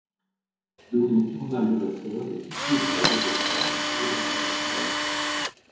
Le mont Irma-LeVasseur est situé sur le rebord sud des Laurentides.